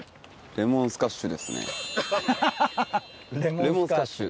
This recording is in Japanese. レモンスカッシュ。